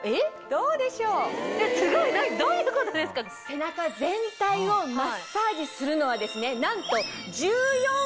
背中全体をマッサージするのはですねなんと。